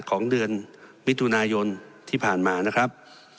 ของเดือนมิถุนายนที่ผ่านมานะครับ